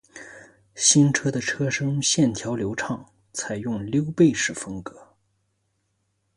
新车的车身线条流畅，采用溜背式风格